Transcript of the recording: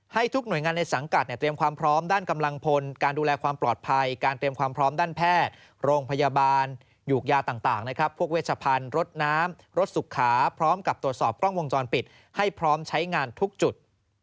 ให้ทุกหน่วยงานในสังกัดเตรียมความพร้อมด้านกำลังพลการดูแลความปลอดภัยการเตรียมความพร้อมด้านแพทย์โรงพยาบาลหยูกยาต่างนะครับพวกเวชพันธุ์รถน้ำรถสุขาพร้อมกับตรวจสอบกล้องวงจรปิดให้พร้อมใช้งานทุกจุด